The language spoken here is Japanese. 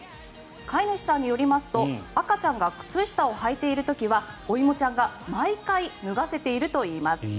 飼い主さんによりますと赤ちゃんが靴下をはいている時はおいもちゃんが毎回脱がせているといいます。